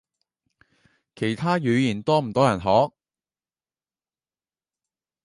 其他語言多唔多人學？